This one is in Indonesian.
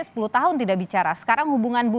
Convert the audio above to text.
bagaimana anda akan menghasilkanhh